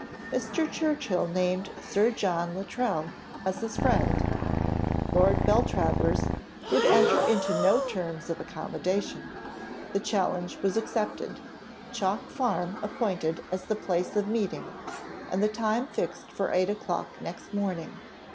Mr. Churchill named Sir John Luttrell as his friend: Lord Beltravers would enter into no terms of accommodation; the challenge was accepted, Chalk Farm appointed as the place of meeting, and the time fixed for eight o'clock next morning.